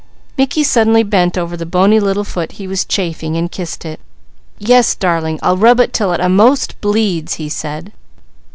Mickey suddenly bent to kiss the bony little foot he was chafing. "Yes darling, I'll rub 'til it a most bleeds," he said.